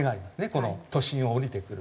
この都心を降りてくる。